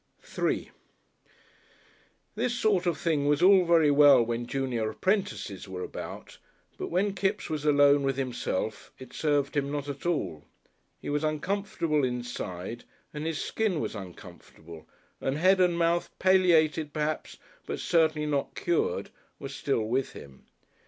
§3 This sort of thing was all very well when junior apprentices were about, but when Kipps was alone with himself it served him not at all. He was uncomfortable inside and his skin was uncomfortable, and Head and Mouth palliated perhaps, but certainly not cured, were still with him.